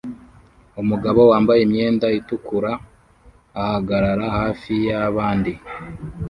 Umugabo wambaye imyenda itukura ahagarara hafi yabandi